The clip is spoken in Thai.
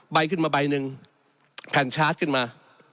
ขึ้นมาใบหนึ่งแผ่นชาร์จขึ้นมา